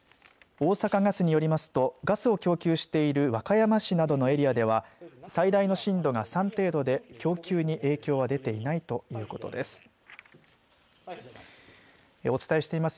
大阪ガスによりますとガスを供給している和歌山市などのエリアでは最大の震度が３程度で供給に影響は出ていないということです。